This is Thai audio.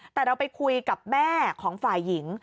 แต่เราไปคุยกับแม่ของฝ่ายหญิง